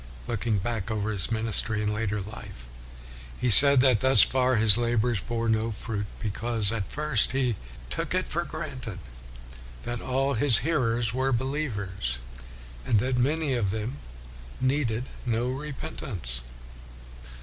Looking back over his ministry in later life, he said that thus far his labors bore no fruit, because at first he " took for granted that all his hearers were WESLEY 307 believers and that many of them needed no repentance.'